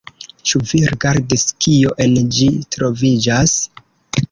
Ĉu vi rigardis, kio en ĝi troviĝas?